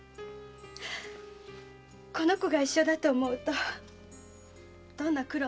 この子が一緒だと思うとどんな苦労も負けない気がします。